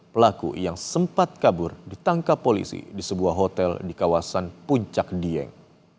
pelaku yang sempat kabur ditangkap polisi di sebuah hotel di kawasan puncak dieng